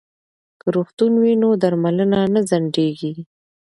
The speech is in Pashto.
که روغتون وي نو درملنه نه ځنډیږي.